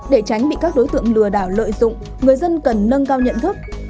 để tránh bị các đối tượng lừa đảo lợi dụng người dân cần nâng cao nhận thức